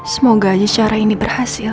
semoga aja secara ini berhasil